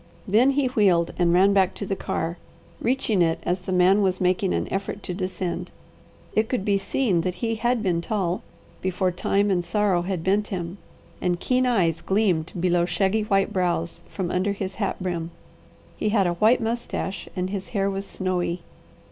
Then he wheeled and ran back to the car, reaching it as the man was making an effort to descend. It could be seen that he had been tall, before time and sorrow had bent him, and keen eyes gleamed below shaggy white brows from under his hat brim. He had a white moustache, and his hair was snowy.